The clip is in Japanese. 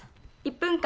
「１分！